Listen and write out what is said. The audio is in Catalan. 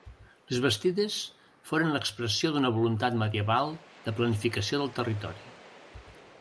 Les bastides foren l'expressió d'una voluntat medieval de planificació del territori.